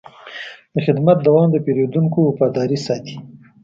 د خدمت دوام د پیرودونکو وفاداري ساتي.